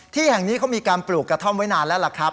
ที่แห่งนี้เขามีการปลูกกระท่อมไว้นานแล้วล่ะครับ